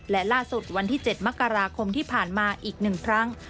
และล่าสุดวันที่๗มกราคมที่ผ่านมาอีก๑ครั้ง